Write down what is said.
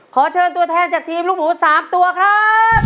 ขอเชิญตัวแทนจากทีมลูกหมู๓ตัวครับ